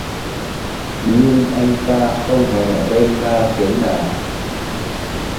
Nhưng anh ta không hề rên la tiếng nào